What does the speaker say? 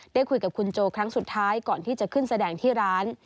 ได้คุยกับคุณโจครั้งสุดท้ายก่อนที่จะขึ้นแสดงที่ร้าน